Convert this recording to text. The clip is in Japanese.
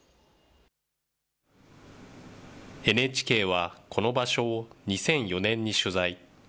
ＮＨＫはこの場所を２００４年に取材。